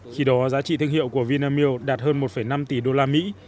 khi đó giá trị thương hiệu của vinamilk đạt hơn một năm tỷ đô la mỹ